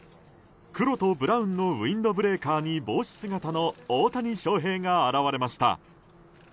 黒とブラウンのウィンドブレーカーに帽子姿の大谷翔平が現れました。